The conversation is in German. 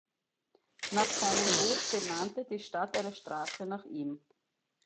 Nach seinem Tod benannte die Stadt eine Straße nach ihm.